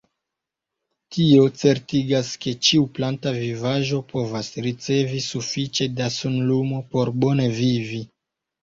Tio certigas, ke ĉiu planta vivaĵo povas ricevi sufiĉe da sunlumo por bone vivi.